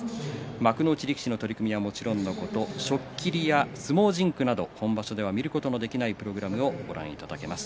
幕内力士の取組はもちろん初っ切りや相撲甚句など本場所では見ることのできないプログラムをご覧いただけます。